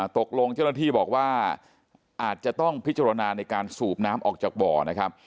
เจ้าหน้าที่บอกว่าอาจจะต้องพิจารณาในการสูบน้ำออกจากบ่อนะครับ